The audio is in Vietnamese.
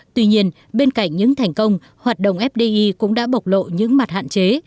tuy nhiên bên cạnh những thành công hoạt động fdi cũng đã bộc lộ những mặt hạn chế